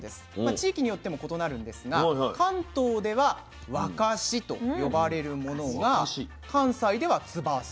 地域によっても異なるんですが関東では「わかし」と呼ばれるものが関西では「つばす」。